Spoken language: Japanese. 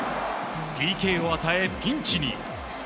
ＰＫを与え、ピンチに。